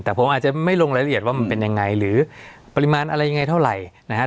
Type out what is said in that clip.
แต่ผมอาจจะไม่ลงรายละเอียดว่ามันเป็นยังไงหรือปริมาณอะไรยังไงเท่าไหร่นะครับ